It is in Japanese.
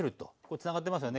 つながってますよね